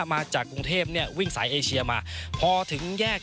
มาจากกรุงเทพเนี่ยวิ่งสายเอเชียมาพอถึงแยก